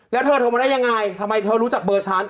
แล้วเธอโทรมาที่ไหนทำไมเธอเจอเบอร์ฉัน